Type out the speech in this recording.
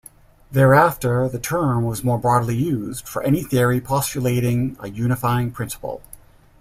Thereafter the term was more broadly used, for any theory postulating a unifying principle.